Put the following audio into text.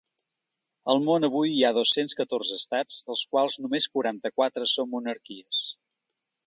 Al món avui hi ha dos-cents catorze estats, dels quals només quaranta-quatre són monarquies.